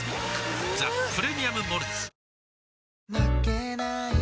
「ザ・プレミアム・モルツ」